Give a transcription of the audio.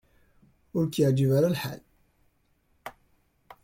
Ur k-yeɛjib ara lḥal.